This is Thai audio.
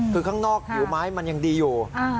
คือข้างนอกผิวไม้มันยังดีอยู่